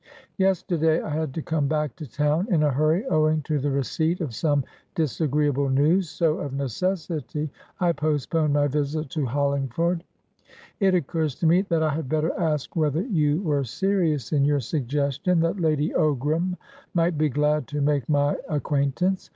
"Yesterday I had to come back to town in a hurry, owing to the receipt of some disagreeable news, so of necessity I postponed my visit to Hollingford. It occurs to me that I had better ask whether you were serious in your suggestion that Lady Ogram might be glad to make my acquaintance.